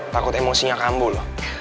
takut emosinya kambul